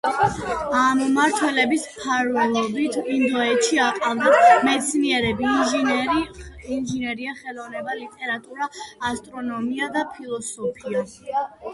ამ მმართველების მფარველობით ინდოეთში აყვავდა მეცნიერება, ინჟინერია, ხელოვნება, ლიტერატურა, ასტრონომია და ფილოსოფია.